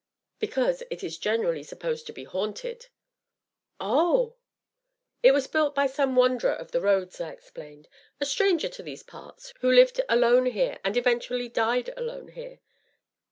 "Because it is generally supposed to be haunted." "Oh!" "It was built by some wanderer of the roads," I explained, "a stranger to these parts, who lived alone here, and eventually died alone here."